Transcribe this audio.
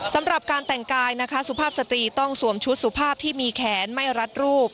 สำหรับการแต่งกายนะคะสุภาพสตรีต้องสวมชุดสุภาพที่มีแขนไม่รัดรูป